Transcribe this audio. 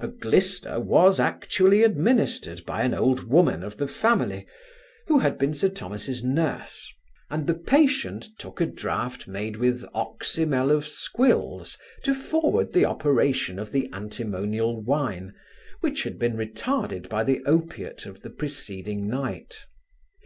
A glyster was actually administered by an old woman of the family, who had been Sir Thomas's nurse, and the patient took a draught made with oxymel of squills to forward the operation of the antimonial wine, which had been retarded by the opiate of the preceding night.